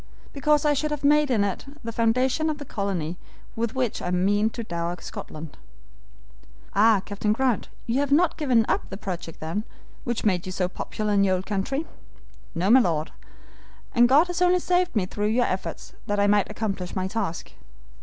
"Because I should have made it the foundation of the colony with which I mean to dower Scotland." "Ah, Captain Grant, you have not given up the project, then, which made you so popular in our old country?" "No, my Lord, and God has only saved me through your efforts that I might accomplish my task.